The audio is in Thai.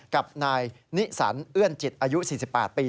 กับนายนิสันเอื้อนจิตอายุ๔๘ปี